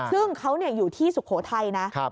ซึ่งเขาอยู่ที่สุโขทัยนะ